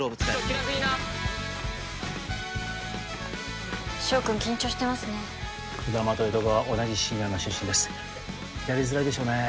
気楽にな翔くん緊張してますね児玉と江戸川は同じシニアの出身ですやりづらいでしょうね